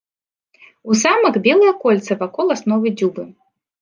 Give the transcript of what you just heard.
У самак белае кольца вакол асновы дзюбы.